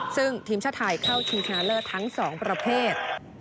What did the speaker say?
ซึ่งทีมชาติไทยเข้าชิงชนะเลิศทั้ง๒ประเภท